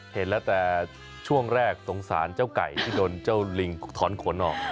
เห็นแล้วแต่ช่วงแรกสงสารเจ้าไก่ที่โดนเจ้าลิงถอนขนออก